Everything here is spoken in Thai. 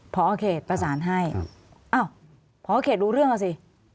พอเขตประสานให้อ้าวพอเขตรู้เรื่องเอาสิ